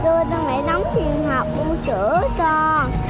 tôi đang lại đóng tiền học mua cửa con